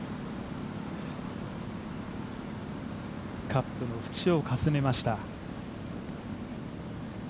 カップの縁をかすめました。